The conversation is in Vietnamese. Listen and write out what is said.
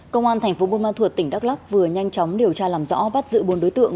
công an thành phố buôn ma thuột tỉnh đắk lắc vừa nhanh chóng điều tra làm rõ bắt giữ bốn đối tượng